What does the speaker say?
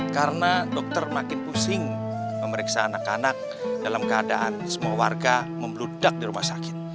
karena dokter makin pusing memeriksa anak anak dalam keadaan semua warga membludak di rumah sakit